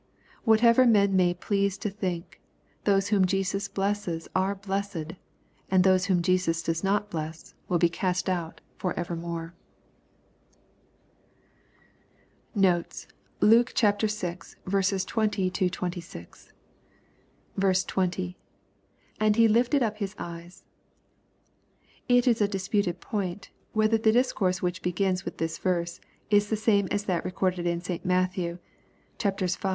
Whatever men may please to think, those whom Jesus blesses are blessed, and those whom Jesus does not bless will be cast out for evermore. NoTEa Luke VI. 20—26. 20. — [And he lifted up his eyes.] It is a disputed pointy whether the discourse which begins with this verse, is the same as that pe^jorded in St. Matthew, (chapters v.